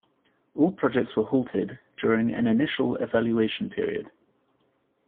All projects were halted during an initial evaluation period.